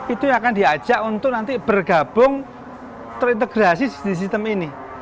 itu yang akan diajak untuk nanti bergabung terintegrasi di sistem ini